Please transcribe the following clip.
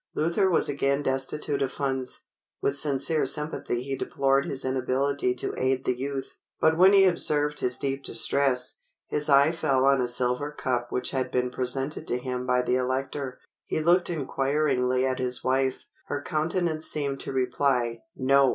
Luther was again destitute of funds. With sincere sympathy he deplored his inability to aid the youth; but when he observed his deep distress, his eye fell on a silver cup which had been presented to him by the Elector. He looked inquiringly at his wife; her countenance seemed to reply, no!